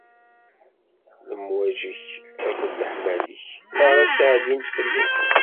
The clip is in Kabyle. Lemwaǧi-k akked leḥmali-k merra ttɛeddint fell-i.